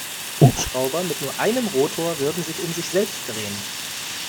Hubschrauber mit nur einem Rotor würden sich um sich selbst drehen.